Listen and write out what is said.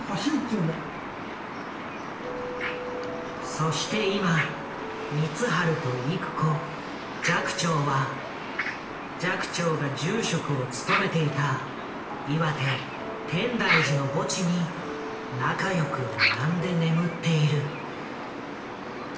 そして今光晴と郁子寂聴は寂聴が住職を務めていた岩手・天台寺の墓地に仲良く並んで眠っている。